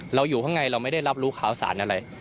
เราอยู่เพราะไงเราไม่ได้รับรู้ข่าวสารอะไร